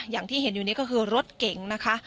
อย่างที่เห็นอยู่นี้ก็คือรถเก๋งนะคะ